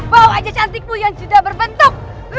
bau aja cantikmu yang sudah berbentuk